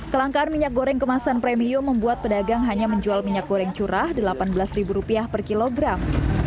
kelangkaan minyak goreng kemasan premium membuat pedagang hanya menjual minyak goreng curah rp delapan belas per kilogram